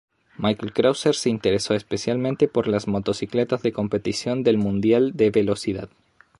Michael Krauser se interesó especialmente por las motocicletas de competición del mundial de velocidad.